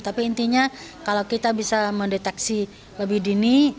tapi intinya kalau kita bisa mendeteksi lebih dini